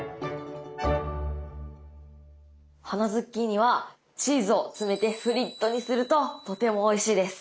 花ズッキーニはチーズを詰めてフリットにするととてもおいしいです。